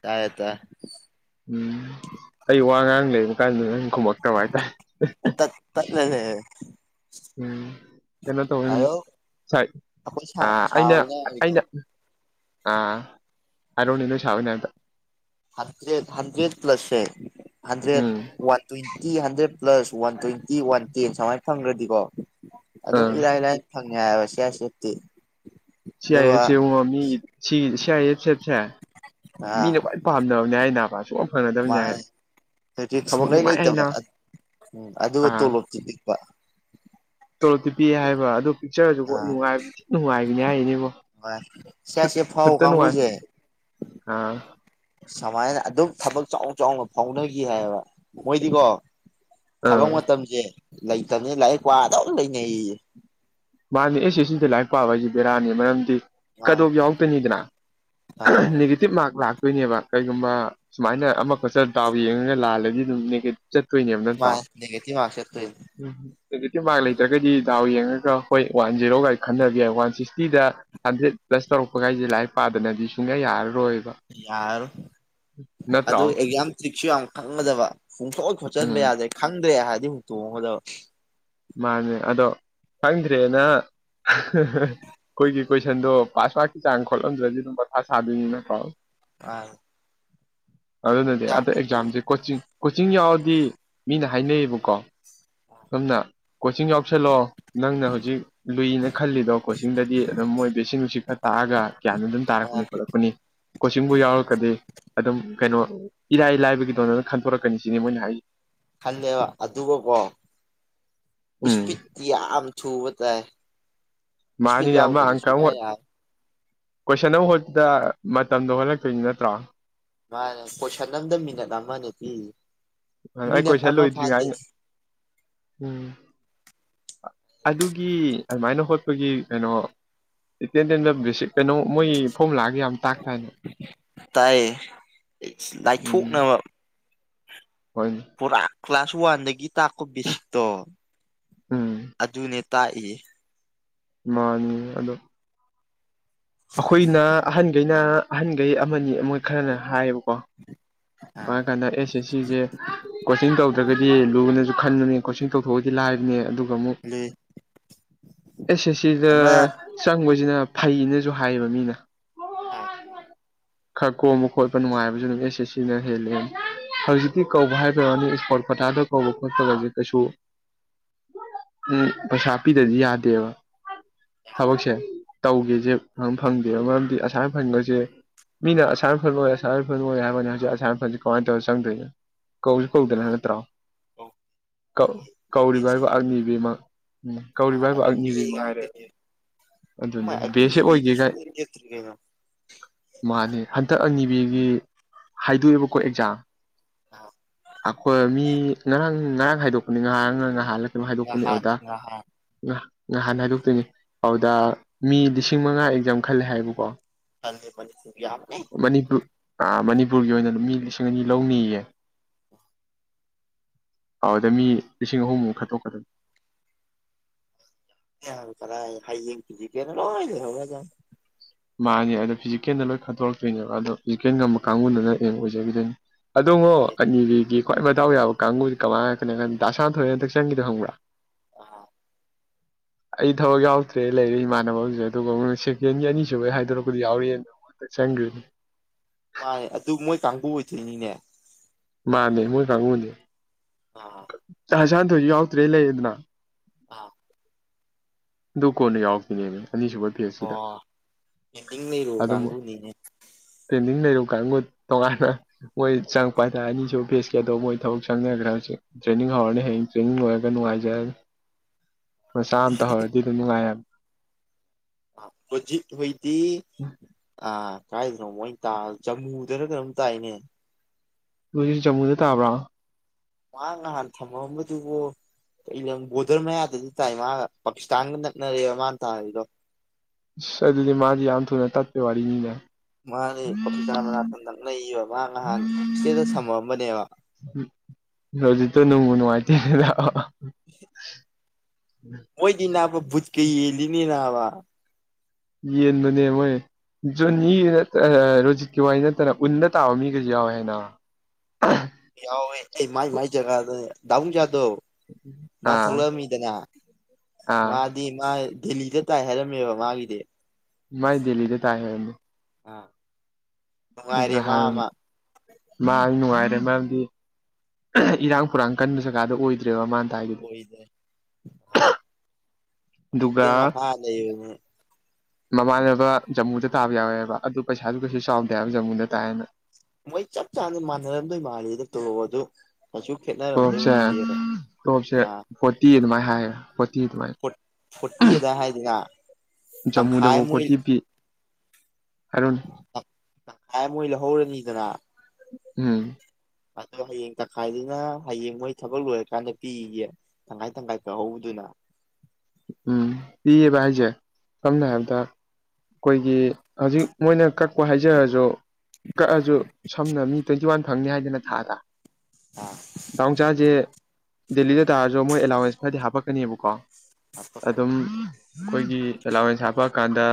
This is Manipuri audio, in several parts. ꯇꯔꯦ ꯇꯥꯏ ꯎꯝ ꯑꯩ ꯋꯥ ꯉꯥꯡ ꯂꯩꯕ ꯀꯥꯟꯗ ꯅꯪ ꯈꯨꯝꯃꯛꯇꯕ ꯍꯥꯏꯇꯥꯔꯦ [unintelligible] ꯎꯝ ꯀꯩꯅ ꯇꯧꯅꯤ ꯑꯗꯣ ꯁꯥꯏ ꯑꯩꯈꯣꯏ ꯁꯥ ꯑꯥ ꯁꯥ ꯑꯩꯅ ꯍꯣꯏꯅ ꯍꯥꯏꯕꯗꯣ ꯑꯩꯅ ꯑꯥ ꯍꯥꯏꯔꯣꯅꯦ ꯅꯣꯏ ꯁꯥ ꯑꯣꯏꯅ ꯑꯝꯇ ꯍꯟꯗ꯭ꯔꯦꯠ ꯍꯟꯗ꯭ꯔꯦꯠ ꯄ꯭ꯂꯁꯁꯦ hundred um one twenty hundred plus one twenty one ten ꯁꯨꯃꯥꯏꯅ ꯐꯪꯈ꯭ꯔꯗꯤꯀꯣ ꯑꯗꯨꯝ ꯑꯥ ꯏꯔꯥꯏ ꯂꯥꯏꯅ ꯐꯪꯉꯦ ꯍꯥꯏꯕ ꯁꯤꯦ ꯁꯦꯠꯇꯤ ꯁꯤ ꯑꯥꯏ ꯑꯦꯠꯁꯦ ꯃꯤꯒꯤ ꯁꯤꯒꯤ ꯁꯤ ꯑꯥꯏ ꯑꯦꯠ ꯑꯦꯦꯠꯁꯦ ꯃꯤꯅ ꯈ ꯄꯥꯝꯅꯕꯅꯦ ꯑꯩ ꯅꯥꯄꯥꯁꯨ ꯃꯥ ꯍꯧꯖꯤꯛꯇꯤ ꯁꯨꯡꯂꯩ ꯅꯨꯡꯉꯥꯏ ꯂꯩꯇꯕ ꯍꯥꯏꯅ ꯎꯝ ꯑꯗꯨꯒ ꯑꯥ ꯇꯣꯂꯣꯞꯇꯤ ꯄꯤꯛꯄ ꯇꯣꯂꯣꯞꯇꯤ ꯄꯤꯛꯦ ꯍꯥꯏꯕ ꯑꯗꯨ ꯄꯤꯛꯆꯔꯁꯨ ꯑꯥ ꯅꯨꯡꯉꯥꯏꯕꯅꯤ ꯍꯥꯏꯔꯤꯅꯦꯕꯣ ꯁꯤ ꯑꯩ ꯁꯤ ꯑꯩꯞ ꯐꯥꯎ ꯀꯥꯡꯕꯨꯖꯦ ꯑ ꯁꯨꯃꯥꯏꯅ ꯑꯗꯨꯝ ꯊꯕꯛ ꯆꯥꯎ ꯆꯥꯎꯅ ꯐꯥꯎꯅꯈꯤ ꯍꯥꯏꯕ ꯃꯣꯏꯗꯤꯀꯣ ꯑꯥ ꯊꯕꯛ ꯃꯇꯝꯁꯦ ꯂꯩꯇꯕꯅꯦ ꯂꯥꯏꯔꯤꯛ ꯄꯗꯧ ꯂꯩꯅꯩꯌꯦ ꯃꯥꯅꯦ ꯑꯦꯁꯁꯤꯗ ꯂꯥꯏꯔꯤꯛ ꯄꯥꯕ ꯍꯥꯏꯁꯤꯦ ꯕꯦꯔꯥꯅꯤ ꯃꯔꯝꯗꯤ ꯃꯥ ꯀꯗꯧ ꯌꯥꯎꯔꯛꯇꯣꯏꯅꯤꯗꯅ ꯑꯥ ꯤꯞ ꯃꯥꯔꯛ ꯂꯥꯛꯇꯣꯏꯅꯦꯕ ꯀꯩꯒꯨꯝꯕ ꯁꯨꯃꯥꯏꯅ ꯑꯃꯈꯠꯆ ꯗꯥꯎ ꯌꯦꯡꯉꯒ ꯂꯥꯜꯂꯗꯤ ꯑꯗꯨꯝ ꯅꯦꯒꯦꯤꯞ ꯆꯠꯇꯣꯏꯅꯦꯕ ꯅꯠꯇ꯭ꯔꯣ ꯃꯥꯅꯦ ꯅꯦꯒꯦꯇꯤꯞ ꯃꯥꯔꯛ ꯆꯠꯇꯣꯏꯅꯦ ꯎꯝ ꯑꯗꯨꯖꯤꯀꯤ ꯃꯥꯔ ꯂꯩꯇ꯭ꯔꯒꯗꯤ ꯗꯥꯎ ꯌꯦꯡꯉꯒ ꯑꯩꯈꯣꯏ ꯋꯥꯟ ꯖꯤꯦꯔꯣꯒ ꯑꯩ ꯈꯟꯅꯕ ꯌꯥꯏ ꯋꯥꯟ ꯁꯤꯛꯁꯇꯤꯗ ꯍꯟꯗ꯭ꯔꯦꯠ ꯄ꯭ꯂꯁ ꯇꯧꯔꯛꯄꯒꯥꯏꯁꯦ ꯂꯥꯏꯔꯤꯛ ꯄꯥꯗꯅꯗꯤ ꯁꯨꯡꯌꯥ ꯌꯥꯔꯔꯣꯏꯕ ꯌꯥꯔꯣꯏ ꯅꯠꯇ꯭ꯔꯣ ꯑꯗꯨ ꯑꯦꯛꯖꯥꯝ ꯇ꯭ꯔꯤꯛꯁꯨ ꯌꯥꯝ ꯈꯪꯒꯗꯕ ꯍꯣꯡꯣꯛ ꯈꯣꯠꯆꯟꯕ ꯎꯝ ꯌꯥꯗ꯭ꯔꯦ ꯈꯪꯗ꯭ꯔꯦ ꯍꯥꯏꯔꯗꯤ ꯍꯨꯇꯣꯡꯉꯒꯗꯕ ꯃꯥꯅꯦ ꯑꯗꯣ ꯈꯪꯗ꯭ꯔꯦꯅ ꯑꯩꯈꯣꯏꯒꯤ ꯀꯣꯏꯁꯟꯗꯣ ꯄꯥꯁ ꯄꯔꯀꯤ ꯆꯥꯡ ꯈꯣꯠꯂꯝꯗ꯭ꯔꯗꯤ ꯑꯗꯨꯝ ꯃꯊꯥ ꯁꯥꯕꯤꯅꯤꯅ ꯄꯥꯎ ꯑꯥ ꯑꯗꯨꯅꯗꯤ ꯑꯗ ꯈꯣꯠꯄꯁꯦ ꯑꯦꯛꯖꯥꯝꯁꯦ ꯀꯣꯆꯤꯡ ꯀꯣꯆꯤꯡ ꯌꯥꯎꯔꯗꯤ ꯃꯤꯅ ꯍꯥꯏꯅꯩꯌꯦꯕꯀꯣ ꯁꯣꯝꯅ ꯀꯣꯆꯤꯡ ꯌꯥꯎꯁꯜꯂꯛꯣ ꯅꯪꯅ ꯍꯧꯖꯤꯛ ꯂꯨꯏꯅ ꯈꯜꯂꯤꯗꯣ ꯀꯣꯆꯤꯡꯗꯗꯤ ꯑꯗꯨꯝ ꯃꯣꯏꯗꯣ ꯏꯁꯤꯡ ꯅꯨꯡꯁꯤꯠ ꯈꯔ ꯇꯥꯛꯑꯒ ꯀꯌꯥꯅꯣ ꯑꯗꯨꯝ ꯇꯥꯔꯛꯄꯅꯤ ꯃꯥꯅꯦ ꯈꯣꯠꯂꯛꯄꯅꯤ ꯀꯣꯆꯤꯡꯕꯨ ꯌꯥꯎꯔꯛꯀꯗꯤ ꯑꯗꯨꯝ ꯀꯩꯅꯣ ꯏꯔꯥꯏ ꯂꯥꯏꯕꯒꯤꯗꯣꯅ ꯑꯗꯨꯝ ꯈꯟꯗꯣꯔꯛꯀꯅꯤ ꯁꯤꯅꯤ ꯃꯣꯏꯅ ꯍꯥꯏꯖ ꯈꯜꯂꯦꯕ ꯑꯗꯨꯒꯀꯣ ꯎꯝ ꯏꯁꯄꯤꯠꯤ ꯌꯥꯝ ꯊꯨꯕ ꯇꯥꯏ ꯏꯁꯄꯤꯠ ꯃꯥꯅꯤꯅꯦ ꯑꯃ ꯌꯥꯎꯗꯁꯨ ꯑꯪꯀ ꯁꯨꯡꯉ ꯑꯃ ꯌꯥꯔꯦ ꯀꯣꯏꯁꯟ ꯑꯃ ꯍꯣꯠꯄꯗ ꯃꯇꯝꯗꯣ ꯍꯣꯜꯂꯛꯇꯣꯏꯅꯤ ꯅꯠꯇ꯭ꯔꯣ ꯃꯥꯅꯦ ꯀꯣꯏꯁꯟ ꯑꯝꯗ ꯃꯤꯅꯠ ꯑꯃꯅꯦ ꯄꯤ ꯑꯩ ꯃꯤꯅꯠ ꯀꯣꯏꯁꯟ ꯑꯃ ꯂꯣꯏꯗ꯭ꯔꯤꯉꯥꯏ ꯐꯥꯗꯦ ꯎꯝ ꯑꯗꯨꯒꯤ ꯑꯗꯨꯃꯥꯏꯅ ꯍꯣꯠꯄꯒꯤ ꯀꯩꯅꯣ ꯏꯇꯦꯟ ꯇꯦꯟꯗ ꯕꯦꯁꯤꯛ ꯀꯩꯅꯣ ꯃꯣꯏꯒꯤ ꯐꯣꯝ ꯂꯥꯛꯑꯒ ꯌꯥꯝ ꯇꯥꯛꯇꯥꯏꯅꯦ ꯇꯥꯏꯌꯦ ꯂꯥꯏꯊꯣꯛꯅꯕ ꯍ ꯄꯨꯔꯥ ꯀ꯭ꯂꯥꯁ ꯋꯥꯟꯗꯒꯤ ꯇꯥꯛꯄꯣ ꯕꯦꯁꯤꯛꯇꯣ ꯎꯝ ꯑꯗꯨꯅꯦ ꯇꯥꯛꯏ ꯃꯥꯅꯤ ꯑꯗꯣ ꯑꯩꯈꯣꯏꯅ ꯑꯍꯟꯒꯩꯅ ꯑꯍꯟꯒꯩ ꯑꯃꯅꯤ ꯃꯣꯏ ꯈꯔꯅ ꯍꯥꯏꯌꯦꯕꯀꯣ ꯑꯥ [unintelligible] ꯑꯦꯁ ꯁꯤꯁꯦ ꯀꯣꯆꯤꯡ ꯇꯧꯗ꯭ꯔꯒꯗꯤ ꯂꯨꯅꯁꯨ ꯈꯟꯕꯅꯦ ꯀꯣꯆꯤꯡ ꯇꯧꯊꯣꯛꯑꯒꯗꯤ ꯂꯥꯏꯕꯅꯦ ꯑꯗꯨ ꯑꯃꯨꯛ ꯑꯗꯨ ꯑꯦꯁ ꯑꯦꯁ ꯁꯤꯗ ꯑꯃ ꯆꯪꯕꯁꯤꯅ ꯐꯩꯌꯦꯅꯁꯨ ꯍꯥꯏꯌꯦꯕ ꯃꯤꯅ ꯍꯥꯏ ꯈꯔ ꯀꯣꯝꯕ ꯈꯣꯠꯄ ꯅꯨꯡꯉꯥꯏꯕꯁꯨ ꯑꯦꯁ ꯑꯦꯁ ꯁꯤꯅ ꯍꯦꯜꯂꯦꯅ ꯍꯧꯖꯤꯛꯇꯤ ꯀꯧꯕ ꯍꯥꯏꯕꯩ ꯋꯥꯅꯤ ꯏꯁꯄꯣꯔꯠ ꯀ‌ꯣꯇꯥꯗ ꯀꯧꯕ ꯈꯣꯠꯄ ꯀꯥꯏꯁꯦ ꯀꯩꯁꯨ ꯎꯝ ꯄꯩꯁꯥ ꯄꯤꯗꯔꯗꯤ ꯌꯥꯗꯦꯕ ꯊꯕꯛꯁꯦ ꯇꯧꯒꯦꯁꯦ ꯑꯗꯨꯝ ꯐꯪꯗꯦꯕ ꯃꯔꯝꯗꯤ ꯑꯁꯥꯝ ꯔꯥꯏꯐꯜ‌ ꯒꯁꯦ ꯃꯤꯅ ꯑꯁꯥꯝ ꯔꯥꯏꯐꯜ ꯑꯣꯏ ꯑꯁꯥꯝ ꯔꯥꯏꯐꯜ ꯑꯣꯏ ꯍꯥꯏꯕꯩ ꯋꯥꯅꯤ ꯍꯧꯖꯤꯛ ꯑꯁꯥꯝ ꯔꯥꯏꯐꯜꯁꯦ ꯀꯃꯥꯏꯅ ꯇꯧꯔ ꯆꯪꯗꯣꯏꯅꯣ ꯀꯧꯗꯅ ꯅꯠꯇ꯭ꯔꯣ ꯀꯧ ꯀꯧꯔꯤꯕ ꯍꯥꯏꯕꯨ ꯚꯦꯀꯦꯟꯁꯤꯁꯨ ꯑꯛꯅꯤꯕꯤ ꯎꯝ ꯃꯥ ꯀꯧꯔꯤꯕ ꯍꯥꯏꯕꯨ ꯑꯒꯤꯅꯤꯕꯤ ꯑꯛꯅꯤꯕꯤ ꯃꯉꯥꯏꯔꯦꯕ ꯉꯥꯛꯇꯅꯦ ꯃꯥ ꯑꯗꯨꯅꯦ ꯕꯦ ꯑꯦꯁ ꯑꯦꯞ ꯑꯒꯤꯅꯤꯕꯤꯗꯤ ꯑꯣꯏꯒꯦ ꯀꯥꯏ ꯁꯨꯡꯂꯦꯞ ꯂꯦꯞꯇ꯭ꯔꯤ ꯀꯩꯅꯣ ꯃꯥꯟꯅꯤ ꯍꯟꯗꯛ ꯑꯛꯅꯤꯕꯤꯒꯤ ꯍꯥꯏꯗꯣꯛꯑꯦꯕꯀꯣ ꯑꯦꯛꯖꯥꯝ ꯑꯥ ꯑꯩꯈꯣꯏ ꯃꯤ ꯉꯔꯥꯡ ꯉꯔꯥꯡ ꯍꯥꯏꯗꯣꯛꯄꯅꯤ ꯉꯥꯔꯥꯡ ꯅꯠꯇꯔ ꯅꯍꯥꯟꯂ ꯀꯩ‌ꯅ‌ꯣꯝ ꯍꯥꯏꯗꯣꯛꯄꯅꯦ ꯉꯍꯥꯟ ꯑꯗꯨꯗꯥ ꯉꯍꯥꯟ ꯅꯍꯥꯟ ꯍꯥꯏꯗꯣꯛꯇꯣꯏꯅꯤ ꯑꯗꯨꯗ ꯃꯤ ꯂꯤꯁꯤꯡ ꯃꯉꯥ ꯑꯦꯛꯖꯥꯝ ꯈꯜꯂꯦ ꯍꯥꯏꯕꯀꯣ ꯑꯗꯨꯗꯤ ꯑꯈ‌ꯣꯏꯅꯤꯗꯤ ꯃꯅꯤꯄꯨꯔ ꯑꯥ ꯃꯅꯤꯄꯨꯔꯒꯤ ꯑꯣꯏꯅ ꯃꯤ ꯂꯤꯁꯤꯡ ꯑꯅꯤ ꯂꯧꯅꯤꯌꯦ ꯑꯗꯨꯗ ꯃꯤ ꯂꯤꯁꯤꯡ ꯑꯍꯨꯝꯃꯨꯛ ꯈꯟꯇꯣꯛꯀꯅꯤ ꯀꯥꯔꯥꯏꯗꯩ ꯍꯌꯦꯡ ꯐꯤꯖꯤꯀ‌ꯦꯜꯗ ꯂꯣꯏ ꯂꯩꯍꯧꯔ ꯗꯧꯅꯤ ꯃꯥꯅꯦ ꯑꯗꯣ ꯐꯤꯖꯤꯀꯦꯜꯗ ꯂꯣꯏ ꯈꯟꯇꯣꯔꯛꯇꯣꯏꯅꯦꯕ ꯑꯗꯣ ꯐꯤꯖꯤꯀꯦꯜ ꯉꯝꯕ ꯀꯥꯡꯕꯨꯗꯨꯅ ꯍꯌꯦꯡ ꯑꯣꯏꯖꯈꯤꯗꯣꯏꯅꯤ ꯑꯗꯣꯉꯣ ꯑꯛꯅꯤꯕꯤꯒꯤ ꯈ꯭ꯋꯥꯏ ꯃꯗꯥꯎ ꯌꯥꯕ ꯀꯥꯡꯕꯨꯗꯤ ꯀꯃꯥꯏ ꯍꯥꯏꯔꯛꯀꯅꯤ ꯗꯥ ꯁꯥꯅꯊꯣꯏꯅ ꯍꯟꯗꯛ ꯆꯪꯈꯤꯗꯣ ꯈꯪꯕ꯭ꯔꯥ [unintelligible] ꯑꯩ ꯊꯕꯛ ꯌꯥꯎꯗ꯭ꯔꯦ ꯂꯩꯔꯦ ꯏꯃꯥꯟꯅꯕ ꯑꯃꯁꯨ ꯑꯗꯨꯒ ꯁꯦꯀꯦꯟꯒꯤ ꯑꯅꯤꯁꯨꯕꯩ ꯍꯥꯏꯗꯣꯔꯛꯄꯗ ꯌꯥꯎꯔꯛꯑꯦꯅ ꯍꯟꯗꯛ ꯆꯪꯈꯔꯤꯅꯤ ꯃꯥꯅꯦ ꯑꯗꯨ ꯃꯣꯏ ꯀꯥꯡꯕꯨ ꯑꯣꯏꯗꯣꯏꯅꯤꯅꯦ ꯃꯥꯅꯦ ꯃ‌ꯣꯏ ꯀꯥꯡꯕꯨꯅ‌ꯤ ꯑ ꯗꯥ ꯁꯅꯥꯊ‌ꯣꯏꯁꯨ ꯌꯥꯎꯗ꯭ꯔꯦ ꯂꯩꯔ‌ꯦꯗꯅ ꯑꯥ ꯑꯗꯨ ꯀꯣꯟꯅ ꯌꯥꯎꯔꯛꯄꯅꯦꯃ‌ꯦ ꯑꯅꯤꯁꯨꯕꯩ ꯑꯣ ꯄ‌ꯦꯟꯗꯤꯡ ꯂꯩꯔꯨ ꯑꯗꯨꯝ ꯀꯥꯡꯕꯨꯨꯅꯤꯅꯦ ꯄꯦꯟꯗꯤꯡ ꯂꯩꯔꯨ ꯀꯥꯡꯕꯨꯅꯤ ꯇꯣꯉꯥꯟꯅ ꯃꯣꯏ ꯆꯪꯉꯛꯄ ꯍꯥꯏꯇꯔ‌ꯦ ꯑꯅꯤꯁꯨꯕ ꯄꯦꯁꯀꯤ ꯑꯗ‌ꯣ ꯃꯣꯏ ꯊꯕꯛ ꯆꯪꯅꯈ꯭ꯔ‌ꯦ ꯍꯧꯖꯤꯛ ꯇ꯭ꯔꯦꯅꯤꯡ ꯍꯧꯔꯅꯤ ꯍꯌꯦꯡ ꯇ꯭ꯔꯦꯅꯤꯡ ꯂꯣꯏꯔꯒ ꯅꯨꯡꯉꯥꯏꯖꯔꯅꯤ ꯃꯆꯥ ꯑꯝ ꯇꯧꯍꯧꯔꯗꯤ ꯑꯗꯨꯝ ꯅꯨꯡꯉꯥꯏꯔ‌ꯦ ꯍꯧꯖꯤꯛ ꯃ‌ꯣꯏꯗꯤ ꯑꯥ ꯀꯥꯏꯗꯅꯣ ꯃ‌ꯣꯏ ꯇ ꯖꯥꯃꯨꯗꯔ ꯀꯩꯅꯣꯝ ꯇꯥꯏꯅꯦ ꯅꯣꯏꯖꯨ ꯖꯥꯃꯨꯗ ꯇꯥꯕ꯭ꯔꯥ ꯃꯥꯅ ꯅꯍꯥꯟ ꯊꯝꯃꯛꯑꯝꯕꯗꯨꯕꯨ ꯩꯀꯩ ꯂꯝ ꯕ‌ꯣꯗꯔ ꯃꯌꯥꯗꯗꯤ ꯇꯥꯏ ꯃꯥ ꯄꯥꯀꯤꯁꯇꯥꯟꯒ ꯅꯛꯅꯔꯦꯕ ꯃꯥꯅ ꯇꯥꯔꯤꯗꯣ ꯑꯁ ꯑꯗꯨꯗꯤ ꯃꯥꯗꯤ ꯌꯥꯝ ꯊꯨꯅ ꯇꯠꯄꯩ ꯋꯥꯔꯤꯅꯤꯅꯦ ꯃꯥꯅ‌ꯦ ꯄꯥꯀꯤꯁꯇꯥꯟ ꯃꯅꯥꯛꯇ ꯅꯛꯅꯩꯑꯦꯕ ꯃꯥ ꯅꯍꯥꯟ ꯏꯁꯇꯦꯇꯁꯗ ꯊꯝꯃꯛꯑꯝꯕꯅꯦꯕ ꯎꯝ ꯍꯧꯖꯤꯛꯇ ꯅꯨꯡꯕꯨ ꯅꯨꯡꯉꯥꯏꯇ‌ꯦꯗ [unintelligible] ꯃꯣꯏꯗꯤ ꯅꯥꯕ ꯕꯨꯠꯀ ꯌꯦꯜꯂꯤꯅ‌‌ꯦ ꯅꯥꯕ ꯌꯦꯟꯕꯅꯦ ꯃꯣꯏ ꯖꯣꯅꯤ ꯑꯥ ꯑꯥ ꯔꯣꯖꯤꯠꯀꯤ ꯋꯥꯔꯤ ꯅꯠꯇꯅ ꯎꯟꯗ ꯇꯥꯕ ꯃꯤꯒꯩꯁꯨ ꯌꯥꯎꯋꯦ ꯍꯥꯏꯅ ꯑ ꯌꯥꯎꯋꯦ ꯑꯩ ꯃꯥꯏ ꯃꯥꯏ ꯖꯒꯥꯗ ꯗꯥꯕꯨꯡꯆꯥꯗꯣ ꯃꯥ ꯑꯥ ꯊꯣꯛꯂꯛꯑꯃꯤꯗꯅ ꯃꯥ ꯑꯥ ꯗꯤ ꯃꯥ ꯗꯦꯜꯂꯤꯗ ꯇꯥꯏ ꯍꯥꯏꯔꯝꯃꯦꯕ ꯃꯥꯒꯤꯗꯤ ꯃꯥꯥꯏ ꯗꯦꯜꯂꯤꯗ ꯇꯥꯥꯏ ꯍꯥꯏꯕꯅꯦ ꯑꯥ ꯅꯨꯡꯉꯥꯏꯔꯦ ꯃꯥ ꯉꯍꯥꯟ ꯑꯃ ꯃꯥ ꯅꯨꯡꯉꯥꯏꯔꯦ ꯃꯔꯝꯗꯤ ꯏꯔꯥꯡ ꯐꯨꯔꯥꯡ ꯀꯟꯕ ꯖꯒꯥꯗ ꯑꯣꯏꯗ꯭ꯔꯦꯕ ꯃꯥꯅ ꯇꯥꯏꯗꯨꯗꯤ ꯐꯩꯗ ꯑ ꯑꯗꯨꯒ ꯄꯔꯁꯤꯗꯦꯟ ꯃꯈꯥꯗ ꯂꯩꯕꯅꯤ ꯃꯃꯥꯟꯅꯕ ꯖꯃꯨꯗ ꯇꯥꯕ ꯌꯥꯎꯋꯦꯕ ꯑꯗꯨ ꯄꯩꯁꯥꯗꯨ ꯀꯩꯁꯨ ꯆꯥꯎꯗꯦꯕ ꯖꯃꯨꯗ ꯇꯥꯏꯌꯦꯅ ꯃꯣꯏ ꯆꯞ ꯆꯥꯅ ꯃꯥꯟꯅꯔꯝꯗꯣꯏ ꯃꯥꯥꯟꯜꯂꯤꯗ ꯇꯣꯂꯣꯞ ꯑꯗꯨ ꯀꯩꯁꯨ ꯈꯦꯠꯅꯔꯝꯗꯣꯏ ꯃꯥꯟꯗꯦꯕ ꯇꯣꯞꯁꯦ ꯑꯥ ꯐꯣꯔꯇꯤ ꯑꯗꯨꯃꯥꯏꯅ ꯍꯥꯏꯌꯦ ꯐꯣꯔꯇꯤ ꯑꯗꯨꯃꯥꯏꯅ ꯐꯣꯔꯠ ꯐꯣꯔꯇꯤ ꯑꯗꯥꯏ ꯍꯥꯏꯗꯅ ꯇꯪꯈꯥꯏ ꯖꯝꯃꯨꯗꯕꯧ ꯃꯣꯏ ꯐꯣꯔꯇꯤ ꯄꯤ [unintelligible] ꯇꯪ ꯇꯪꯈꯥꯏ ꯑꯃ ꯃꯣꯏ ꯂꯧꯍꯧꯔꯅꯤꯗꯅ ꯎꯝ ꯑꯗꯣ ꯍꯌꯦꯡ ꯇꯪꯈꯥꯏꯗꯨꯅ ꯍꯌꯦꯡ ꯃꯣꯏ ꯊꯕꯛ ꯂꯣꯏꯔꯀꯥꯟꯗ ꯄꯤꯒꯦ ꯇꯪꯈꯥꯏ ꯇꯪꯈꯥꯏ ꯀꯛꯍꯧꯕꯗꯨꯅ ꯎꯝ ꯄꯤꯌꯦꯕ ꯍꯥꯏꯁꯦ ꯁꯝꯅ ꯍꯥꯏꯔꯕꯗ ꯑꯩꯈꯣꯏꯒꯤ ꯍꯧꯖꯤꯛ ꯃꯣꯏꯅ ꯀꯛꯄ ꯍꯥꯏꯖꯔꯁꯨ ꯀꯛꯑꯁꯨ ꯁꯝꯅ ꯃꯤ ꯇ꯭ꯋꯦꯟꯇꯤ ꯋꯥꯟ ꯐꯪꯅꯤ ꯍꯥꯏꯗꯅ ꯊꯥꯗ ꯑꯥ ꯗꯥꯎꯟꯆꯥꯁꯦ ꯗꯦꯜꯂꯤꯗ ꯇꯥꯔꯁꯨ ꯃꯣꯏ ꯑꯦꯂꯥꯎꯋꯦꯟꯁ ꯈꯔꯗꯤ ꯍꯥꯞꯄꯛꯀꯅꯦꯕꯀꯣ ꯍꯥꯄꯛꯀꯅꯤ ꯑꯗꯨꯝ ꯑꯩꯈꯣꯏꯒꯤ ꯑꯦꯂꯥꯋꯦꯟꯁ ꯍꯥꯞꯄꯛꯑꯀꯥꯟꯗ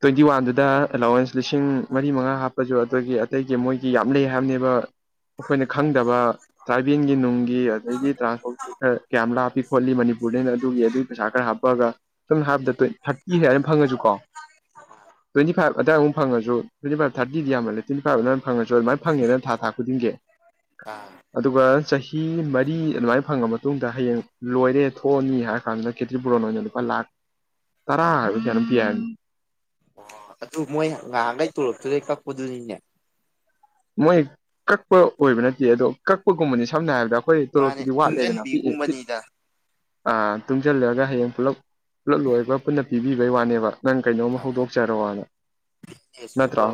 ꯇ꯭ꯋꯦꯟꯇꯤ ꯋꯥꯟꯗꯨꯗ ꯑꯦꯂꯥꯎꯋꯦꯟꯁ ꯂꯤꯁꯤꯡ ꯃꯔꯤ ꯃꯉꯥ ꯍꯥꯞꯄꯁꯨ ꯑꯗꯨꯒꯤ ꯑꯇꯩꯒꯤ ꯃꯣꯏꯒꯤ ꯌꯥꯝ ꯂꯩ ꯍꯥꯏꯕꯅꯦꯕ ꯑꯩꯈꯣꯏꯅ ꯈꯪꯗꯕ ꯇ꯭ꯔꯥꯏꯕꯦꯜꯒꯤ ꯅꯨꯡꯒꯤ ꯑꯩꯗꯤ ꯇ꯭ꯔꯥꯟꯁꯄꯣꯔꯠ ꯑ ꯀꯌꯥꯝ ꯂꯥꯞꯄꯤ ꯈꯣꯠꯂꯤ ꯃꯅꯤꯄꯨꯔꯗꯩꯅ ꯑꯗꯨꯒꯤ ꯑꯗꯨꯒꯤ ꯄꯩꯁꯥ ꯈꯔ ꯍꯥꯞꯄꯑꯒ ꯁꯝꯅ ꯍꯥꯏꯔꯕꯗ ꯊ꯭ꯔꯇꯤ ꯍꯥꯏꯅ ꯐꯪꯉꯁꯨꯀꯣ ꯇ꯭ꯋꯦꯟꯇꯤ ꯐꯥꯏꯚ ꯑꯗ꯭ꯋꯥꯏꯃꯨꯛ ꯐꯪꯉꯁꯨ ꯇ꯭ꯋꯦꯟꯇꯤ ꯐꯥꯏꯚ ꯊꯥꯔꯇꯤꯗꯤ ꯌꯥꯝꯜꯂꯦ ꯇ꯭ꯋꯦꯟꯇꯤ ꯐꯥꯏꯚ ꯑꯗꯨꯃꯥꯏ ꯐꯪꯉꯁꯨ ꯑꯗꯨꯃꯥꯏ ꯐꯪꯉꯦꯅ ꯊꯥ ꯊꯥ ꯈꯨꯗꯤꯡꯒꯤ ꯑꯥ ꯑꯗꯨꯒ ꯆꯍꯤ ꯃꯔꯤ ꯑꯗꯨꯃꯥꯏꯅ ꯐꯪꯉ ꯃꯇꯨꯡꯗ ꯍꯌꯦꯡ ꯂꯣꯏꯔꯦ ꯊꯣꯛꯑꯅꯤ ꯍꯥꯏꯔ ꯀꯥꯟꯗ ꯈꯦꯇ꯭ꯔꯤ ꯄꯨꯔꯣꯟ ꯑꯣꯏꯅ ꯂꯨꯄꯥ ꯂꯥꯛ ꯇꯔꯥ ꯍꯥꯏꯕꯔ ꯀꯌꯥꯅꯣꯝ ꯄꯤ ꯍꯥꯏꯕꯅꯦ ꯑꯣ ꯑꯗꯨ ꯃꯣꯏ ꯉꯍꯥꯟꯈꯩ ꯇꯣꯂꯞꯇꯨꯗꯩ ꯀꯛꯄꯗꯨꯅꯤꯅꯦ ꯃꯣꯏ ꯀꯛꯄ ꯑꯣꯏꯕ ꯅꯠꯇꯦ ꯑꯗꯣ ꯀꯛꯄꯒꯨꯝꯕꯅꯤ ꯁꯝꯅ ꯍꯥꯏꯔꯕꯗ ꯍꯣꯏ ꯃꯥꯅꯦ ꯇꯣꯂꯣꯇꯨꯗꯤ ꯋꯥꯠꯂꯦꯗꯅ ꯄꯤꯛꯑ ꯄꯤꯛ ꯇꯨꯡꯖꯟꯕꯤꯒꯨꯝꯕꯅꯤꯗ ꯇꯨꯡꯁꯤꯜꯂꯒ ꯍꯌꯦꯡ ꯄꯨꯂꯞ ꯄꯨꯂꯞ ꯂꯣꯏꯒ ꯄꯨꯟꯅ ꯄꯤꯕꯤꯕꯩ ꯋꯥꯅꯦꯕ ꯅꯪ ꯀꯩꯅꯣꯝꯃ ꯍꯧꯗꯣꯛꯆꯔꯑꯣꯅ ꯅꯦꯁꯀꯨꯝꯕ ꯅꯠꯇ꯭ꯔꯣ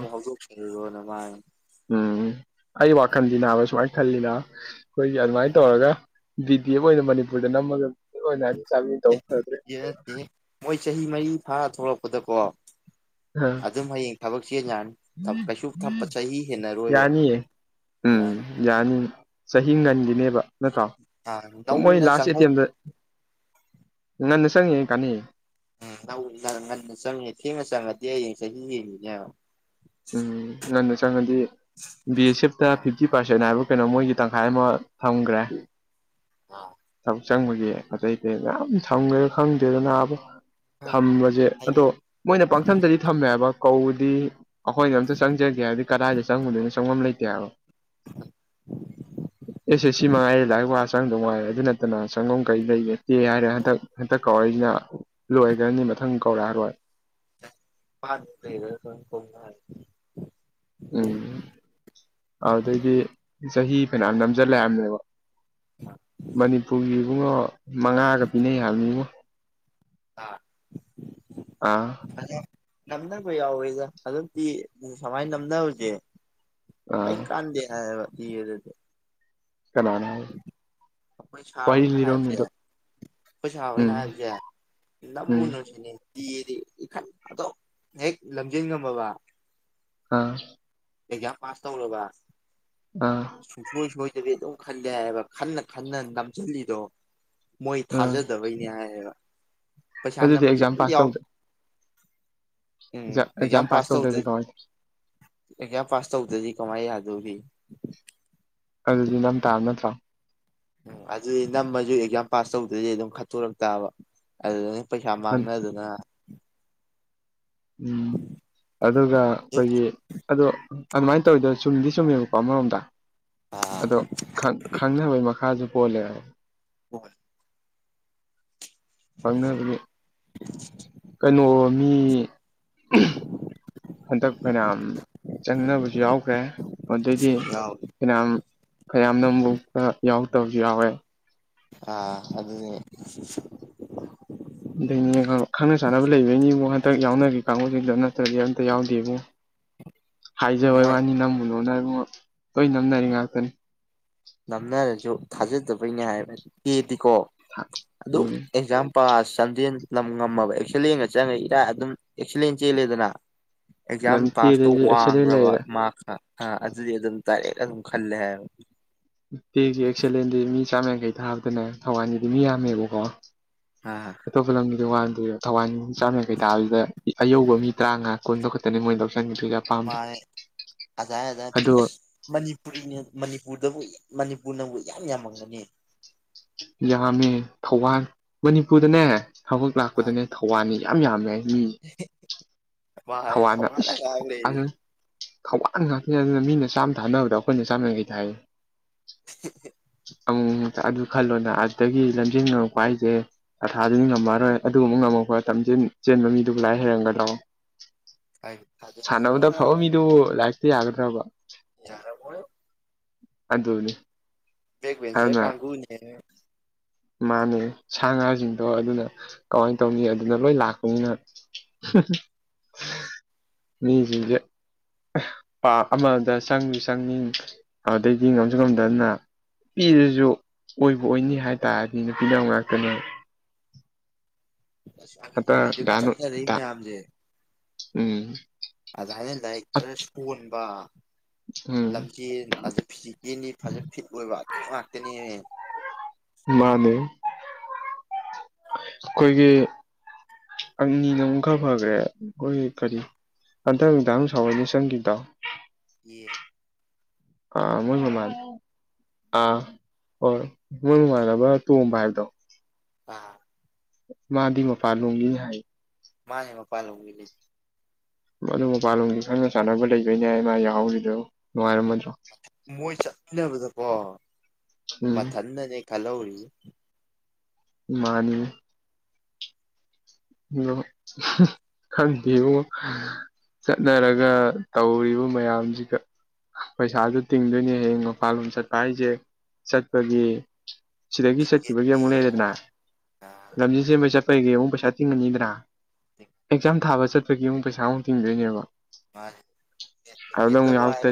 [unintelligible] ꯎꯝ ꯑꯩ ꯋꯥꯈꯟꯗꯤ ꯅꯥꯕ ꯁꯨꯃꯥꯏꯅ ꯈꯜꯂꯤꯅ ꯑꯩꯈꯣꯏꯒꯤ ꯑꯗꯨꯃꯥꯏꯅ ꯇꯧꯔꯒ ꯕꯤꯗꯤ ꯑꯦꯐ ꯑꯣꯏꯅ ꯃꯅꯤꯄꯨꯔꯗ ꯅꯝꯃꯒ ꯑꯣꯏꯅ [unintelligible] ꯑꯦ ꯕꯤ ꯗꯤ ꯑꯦꯐ ꯅꯠꯇꯦꯍꯦ ꯃꯣꯏ ꯆꯍꯤ ꯃꯔꯤ ꯐꯥꯔ ꯊꯣꯛꯂꯛꯄꯗꯀꯣ ꯑ ꯑꯗꯨꯝ ꯍꯌꯦꯡ ꯊꯕꯛ ꯆꯦꯟ ꯌꯥꯔꯅꯤ ꯊ ꯀꯩꯁꯨ ꯊꯄ ꯆꯍꯤ ꯍꯦꯟꯅꯔꯣꯏꯕ ꯌꯥꯅꯤꯌꯦ ꯎꯝ ꯌꯥꯔ ꯌꯥꯅꯤ ꯆꯍꯤ ꯉꯟꯒꯤꯅꯦꯕ ꯅꯠꯇ꯭ꯔꯣ ꯑꯥ ꯃꯣꯏ ꯅꯧꯅ ꯂꯥꯁ ꯆꯪꯍꯧ ꯑꯦꯇꯦꯝꯗ ꯉꯟꯅ ꯆꯪꯉꯤꯉꯩ ꯀꯥꯅꯩꯌꯦ ꯎꯝ [unintelligible] ꯉꯟꯅ ꯆꯪꯉꯦ ꯊꯦꯡꯅ ꯆꯪꯉꯗꯤ ꯍꯌꯦꯡ ꯆꯍꯤ ꯍꯦꯟꯒꯤꯅꯦ ꯍꯥꯏꯕ ꯎꯝ ꯉꯟꯅ ꯆꯪꯉꯗꯤ ꯕꯤ ꯑꯦꯁ ꯑꯦꯐꯇ ꯐꯤꯞꯇꯤ ꯄꯥꯔꯁꯦꯟ ꯍꯥꯏꯕ ꯀꯩꯅꯣ ꯃꯣꯏꯒꯤ ꯇꯪꯈꯥꯏ ꯑꯃ ꯊꯝꯈ꯭ꯔꯦ ꯑꯥ ꯊꯕꯛ ꯆꯪꯕꯒꯤ ꯑꯇꯩ ꯑꯇꯩ ꯃꯌꯥꯝ ꯊꯝꯒ꯭ꯔꯦꯗ ꯈꯪꯗꯦꯗ ꯅꯥꯕ ꯊꯝꯕꯁꯦ ꯑꯗꯣ ꯍꯌꯦꯡ ꯃꯣꯏꯅ ꯄꯥꯡꯊꯝꯗꯗꯤ ꯊꯝꯃꯦꯕ ꯀꯧꯗꯤ ꯑꯩꯈꯣꯏꯅ ꯑꯝꯇ ꯆꯪꯖꯒꯦ ꯍꯥꯏꯗꯤ ꯀꯗꯥꯏꯗ ꯆꯪꯉꯨꯗꯣꯏꯅꯣ ꯆꯪꯐꯝ ꯂꯩꯇꯦ ꯍꯥꯏꯕ ꯑꯦꯁ ꯑꯦꯁ ꯁꯤ ꯃꯉꯥꯏꯔꯦ ꯂꯥꯏꯔꯤꯛ ꯄꯥꯕ ꯆꯪꯗꯧ ꯉꯥꯏꯔꯦ ꯑꯗꯨ ꯅꯠꯇꯅ ꯆꯪꯕꯝ ꯀꯩ ꯂꯩꯒꯦ ꯇꯦ ꯍꯥꯏꯔꯦ ꯍꯟꯗꯛ ꯍꯟꯇꯛ ꯀꯧꯔꯛꯏꯁꯤꯅ ꯂꯣꯏꯈ꯭ꯔꯅꯤ ꯃꯊꯪ ꯀꯧꯔꯛꯑꯔꯣꯏ [unintelligible] ꯎꯝ ꯑꯗꯨꯗꯒꯤ ꯆꯍꯤ ꯐꯅꯌꯥꯝ ꯅꯝꯁꯤꯜꯂꯛꯑꯅꯤꯕ ꯃꯅꯤꯄꯨꯔꯒꯤ ꯏꯕꯨꯡꯉꯣ ꯃꯉꯥꯒ ꯄꯤꯅꯩ ꯍꯥꯏꯕꯅꯤꯉꯣ ꯍꯥ ꯑꯥ ꯐꯖꯩ ꯉꯝꯅꯕ ꯌꯥꯎꯋꯦꯗ ꯑꯗꯨꯗꯤ ꯁꯨꯃꯥꯏꯅ ꯅꯝꯅꯕꯁꯦ ꯀꯝ ꯑꯥ ꯀꯥꯟꯗꯦ ꯍꯥꯏꯌꯦꯕ ꯀꯅꯥꯅ ꯄꯩꯁꯥꯔꯣ ꯋꯥꯔꯤ ꯅꯪ ꯍꯥꯏꯁꯦ ꯂꯤꯔꯝꯃꯤꯗꯣ ꯄꯩꯁꯥꯔꯣ ꯑꯩꯅ ꯎꯝ ꯍꯥꯥꯖꯦ ꯎꯝ [unintelligible] ꯑꯥ ꯑꯦꯛꯖꯥꯝ ꯄꯥꯁ ꯇꯧꯔꯥꯕ ꯑꯥ ꯁꯨꯡꯁꯣꯏ ꯁꯣꯏꯗꯕꯤ ꯑꯗꯨꯝ ꯈꯜꯂꯦ ꯍꯥꯏꯕ ꯈꯟꯅ ꯈꯟꯅ ꯅꯝꯁꯤꯜꯂꯤꯗꯣ ꯃꯣꯏ ꯑꯥ ꯊꯥꯖꯗꯕꯩꯅꯦ ꯍꯥꯏꯌꯦꯕ ꯄꯩꯁꯥ ꯑꯗꯨꯗꯤ ꯅꯝꯕꯁꯨ ꯑꯦꯛꯖꯥꯝ ꯑꯝꯇ ꯄꯥꯁ ꯌꯥꯎ ꯇꯧꯗ ꯎꯝ ꯑꯦꯛꯖꯥꯝ ꯄꯥꯁ ꯇꯧꯗꯔ ꯑꯦꯖꯌꯥ ꯄꯥꯁ ꯇꯧꯗ꯭ꯔꯗꯤ ꯀꯃꯥꯏ ꯌꯥꯗꯧꯔꯤ ꯑꯗꯨꯗꯤ ꯅꯝ ꯇꯥꯕ ꯅꯠꯇ꯭ꯔꯣ ꯎꯝ ꯑꯗꯨꯗꯤ ꯅꯝꯃꯁꯨ ꯑꯦꯛꯖꯥꯝ ꯄꯥꯁ ꯇꯧꯗ꯭ꯔꯗꯤ ꯑꯗꯨꯝ ꯈꯠꯇꯣꯔꯛꯇꯥꯕ ꯑꯗꯅꯤ ꯄꯩꯁꯥ ꯃꯥꯡꯅꯗꯅ ꯎꯝ ꯑꯗꯨꯒ ꯑꯗꯨꯝ ꯑꯩꯈꯣꯏꯒꯤ ꯑꯗꯣ ꯑꯗꯨꯃꯥꯏꯅ ꯇꯧꯋꯤꯗ ꯆꯨꯝꯗꯤ ꯆꯨꯝꯃꯦꯕꯀꯣ ꯑꯃꯔꯣꯝꯗ ꯑꯥ ꯑꯗꯣ ꯈꯪꯅꯕꯒꯤ ꯃꯈꯥꯁꯨ ꯄꯣꯜꯂꯦꯕ ꯍꯣꯏ ꯐꯪꯅꯕꯅꯤ ꯀꯩꯅꯣ ꯃꯤ ꯍꯟꯗꯛ ꯐꯅꯌꯥꯝ ꯆꯪꯅꯕꯁꯨ ꯌꯥꯎꯈ꯭ꯔꯦ ꯑꯗꯨꯏ ꯌꯥꯎꯋꯤ ꯐꯌꯥꯝ ꯐꯌꯥꯝꯅ ꯅꯝꯕꯧꯇ ꯌꯥꯎꯔꯛꯇꯕꯁꯨ ꯌꯥꯎꯋꯦ ꯑꯥ ꯑꯗꯨꯗꯤ ꯑꯗꯩꯅꯦ ꯈꯪꯅ ꯆꯥꯅꯕ ꯂꯩꯕꯒꯤꯅꯤꯕꯨ ꯍꯟꯇꯛ ꯌꯥꯎꯅꯈꯤ ꯀꯥꯡꯒꯨꯗꯨꯗꯤ ꯅꯠꯇ꯭ꯔꯗꯤ ꯑꯝꯇ ꯌꯥꯎꯗꯦꯕꯣ ꯍꯥꯏꯖꯕꯩ ꯃꯣꯏ ꯋꯥꯅꯤ ꯅꯝꯃꯨꯅꯨꯗ ꯏꯕꯨꯡꯉꯣ ꯂꯣꯏ ꯅꯝꯅꯔꯤ ꯉꯥꯛꯇꯅꯤ ꯅꯝꯅꯔꯁꯨ ꯊꯥꯖꯗꯕꯩꯅꯦ ꯍꯥꯏꯕ ꯑꯦꯗꯤꯀꯣ ꯑꯗꯨ ꯎꯝ ꯑꯦꯛꯖꯥꯝ ꯄꯥꯁ ꯆꯝꯗꯦꯟ ꯉꯝꯃꯕ ꯑꯦꯛꯁꯂꯦꯟꯒ ꯆꯪꯉꯒ ꯏꯔꯥꯏ ꯑꯗꯨꯝ ꯑꯦꯛꯁꯂꯦꯟ ꯆꯦꯜꯂꯦꯗꯅ ꯑꯦꯛꯖꯥꯝ ꯄꯥꯁꯇꯣ ꯂꯝꯇꯦꯗꯁꯨ ꯑꯦꯛꯁꯂꯦꯟ ꯋꯥꯡꯈ꯭ꯔꯕ ꯂꯩꯔꯦ ꯃꯥꯛꯇ ꯍꯥ ꯑꯗꯨꯗꯤ ꯑꯗꯨꯝ ꯗꯥꯔꯛ ꯑꯗꯨꯝ ꯈꯜꯂꯦ ꯍꯥꯏꯕ ꯎꯦꯒꯤ ꯑꯦꯛꯁꯂꯦꯟꯗꯤ ꯃꯤ ꯆꯥꯝꯃꯌꯥꯡꯈꯩ ꯊꯥꯕꯗꯅꯦ ꯊꯧꯕꯥꯟꯒꯤꯗꯤ ꯃꯤ ꯌꯥꯝꯃꯦꯕꯀꯣ ꯍꯥ [unintelligible] [unintelligible] ꯑꯗꯣ ꯃꯅꯤꯄꯨꯔꯤ ꯃꯅꯤꯄꯨꯔꯗꯕꯨ ꯃꯅꯤꯄꯨꯔꯅꯕꯨ ꯏꯌꯥꯝ ꯌꯥꯝꯃꯝꯒꯅꯤ ꯌꯥꯝꯃꯦ ꯊꯧꯕꯥꯜ ꯃꯅꯤꯄꯨꯔꯗꯅꯦ ꯊꯕꯛ ꯑ ꯂꯥꯛꯄꯗꯅꯦ ꯊꯧꯕꯥꯜꯅꯤ ꯌꯥꯝ ꯌꯥꯝꯃꯦ ꯃꯤ ꯃꯥ ꯍꯥꯏꯔꯦ ꯊꯧꯕꯥꯜꯅ ꯊꯧꯕꯥꯜꯗ ꯏꯁ ꯉꯥꯛ ꯂꯩꯔꯦ ꯑꯗꯨ ꯊꯧꯕꯥꯜ ꯉꯥꯛꯇꯅꯤ ꯑꯗꯨꯅ ꯃꯤꯅ ꯆꯥꯝꯃ ꯊꯥꯅꯕꯗ ꯑꯩꯈꯣꯏꯅ ꯆꯥꯝ ꯌꯥꯡꯈꯩ ꯊꯥꯏ [unintelligible] ꯑꯗꯨ ꯈꯜꯂꯣꯅ ꯑꯗꯨꯗꯒꯤ ꯂꯝꯖꯦꯟ ꯉꯔꯛꯄ ꯍꯥꯏꯁꯦ ꯑꯥꯊꯥꯗꯨꯗꯤ ꯉꯝꯃꯔꯣꯏ ꯑꯗꯨꯒꯨꯝꯕ ꯉꯃꯝꯄ ꯂꯝꯖꯦꯟ ꯆꯦꯟꯕ ꯃꯤꯗꯨꯕꯨ ꯂꯥꯏꯔꯤꯛ ꯍꯩꯔꯝꯒꯗ꯭ꯔꯣ ꯍꯥꯏ ꯊꯥꯖꯗꯦꯉꯣ ꯁꯥꯟꯅꯕꯗ ꯐꯕ ꯅꯪ ꯃꯤꯗꯨ ꯂꯥꯏꯔꯤꯛꯇ ꯌꯥꯒꯗ꯭ꯔꯕ ꯌꯥꯔ ꯑꯣꯏ ꯑꯗꯨꯗꯅꯦ ꯦꯒꯕ ꯆꯦ ꯀ ꯀꯥꯡꯒꯅꯤ ꯃꯥꯅꯦ ꯁꯥ ꯉꯥꯁꯤꯡꯗꯣ ꯑꯗꯨꯅ ꯀꯃꯥꯏꯅ ꯇꯧꯅꯤ ꯑꯗꯨꯅ ꯂꯣꯏ ꯂꯥꯛꯄꯅꯤꯅ ꯃꯤ ꯄꯥ ꯑꯃꯗ ꯆꯪꯁꯨ ꯆꯪꯅꯤꯡ ꯑꯗꯨꯩꯗꯒꯤ ꯉꯝꯁꯨ ꯉꯝꯗꯅ ꯅꯨꯄꯤꯗꯨꯁꯨ ꯑꯣꯏꯕ ꯑꯣꯏꯅꯤ ꯍꯥꯏ ꯇꯔꯗꯤ ꯅꯨꯄꯤꯅ ꯉꯥꯛꯇꯅꯦ ꯑꯁ ꯑ ꯄꯤꯔꯒ ꯆꯠꯅꯔ ꯍꯟꯇꯛ ꯃꯌꯥꯝꯁꯦ ꯎꯝ ꯑꯗꯨꯃꯥꯏꯅ ꯂꯥꯏꯔꯤꯛ ꯈꯔ ꯁꯣꯟꯕ ꯎꯝ ꯂꯝꯆꯦꯜ ꯑꯗꯨ ꯐꯤꯖꯤꯀꯦꯜꯂꯤ ꯐꯖꯅ ꯐꯤꯠ ꯑꯣꯏꯕ ꯑꯗꯨꯝ ꯉꯥꯛꯇꯅꯦ ꯃꯥꯅꯦ ꯑꯩꯈꯣꯏꯒꯤ ꯑꯪꯅꯤꯅ ꯑꯃꯨꯛ ꯈꯔ ꯐꯈ꯭ꯔꯦ ꯑꯩꯈꯣꯏ ꯀꯔꯤ ꯍꯟꯗꯛꯗꯪ ꯁꯥꯎꯋꯏꯅꯤ ꯆꯪꯈꯤꯗꯥꯎ ꯌꯦ ꯑꯥ ꯃꯣꯏꯥꯟ ꯑꯥ ꯍꯣꯏ ꯃꯣꯏꯒꯃꯥꯟꯅꯕ ꯇꯣꯝꯕ ꯍꯥꯏꯕꯗꯣ ꯑꯥ ꯃꯥꯗꯤ ꯃꯄꯥꯟꯂꯣꯝꯒꯤꯅꯤ ꯍꯥꯏ ꯃꯥꯅꯦ ꯃꯄꯥꯟ ꯂꯝꯒꯤꯅꯦ ꯑꯗꯨ ꯃꯄꯥꯟꯂꯣꯝꯒꯤ ꯈꯪꯅ ꯆꯥꯟꯅꯕ ꯂꯩꯗꯣꯏꯅꯦꯃ ꯌꯥꯎꯍꯧꯔꯤꯗꯣ ꯅꯨꯡꯉꯥꯏꯔꯝꯃꯗ꯭ꯔꯣ ꯃꯣꯏ ꯆꯠꯅꯕꯗꯀꯣ ꯎꯝ ꯃꯊꯟꯅꯅꯦ ꯈꯜꯍꯧꯔꯤ ꯃꯥꯅꯤ ꯑ ꯈꯪꯕꯤꯌꯨ ꯆꯠꯅꯔꯒ ꯇꯧꯔꯤꯕ ꯃꯌꯥꯝꯁꯤꯒ ꯄꯩꯁꯥꯗꯨ ꯇꯤꯡꯗꯣꯏꯅꯦ ꯍꯌꯦꯡ ꯃꯄꯥꯥꯟꯂꯣꯝ ꯆꯠꯄ ꯍꯥꯏꯁꯦ ꯆꯠꯄꯒꯤ ꯁꯤꯗꯒꯤ ꯆꯠꯈꯤꯕꯒꯤ ꯇꯤꯛꯀꯦꯠꯀꯤ ꯑꯃꯨꯛ ꯂꯩꯔꯦꯗꯅ ꯌꯦꯡꯉꯣ ꯑꯥ ꯂꯝꯖꯦꯟꯁꯦ ꯄꯩꯁꯥꯄꯩꯒ ꯑꯃꯨꯛ ꯄꯩꯁꯥ ꯆꯤꯡꯉꯅꯤꯗ꯭ꯔꯥ ꯑꯦꯛꯖꯥꯝ ꯊꯥꯕ ꯆꯠꯄꯒꯤ ꯑꯃꯨꯛ ꯄꯩꯁꯥꯃꯨꯛ ꯇꯤꯡꯗꯣꯏꯅꯦꯕ ꯍꯥꯏꯕꯗ ꯑꯃꯨꯛ ꯃꯥꯕꯨ ꯍꯥꯏꯔ ꯌꯥꯎꯔꯛꯇ